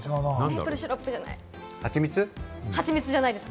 メープルシロップじゃないです。